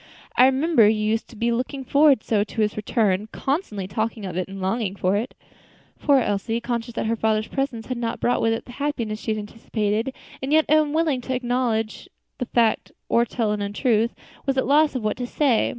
"I remember you used to be looking forward so to his return; constantly talking of it and longing for it." Poor Elsie, conscious that her father's presence had not brought with it the happiness she had anticipated, and yet unwilling either to acknowledge that fact or tell an untruth, was at a loss what to say.